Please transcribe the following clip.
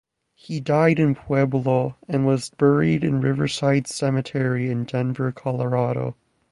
He died in Pueblo and was buried in Riverside Cemetery in Denver, Colorado.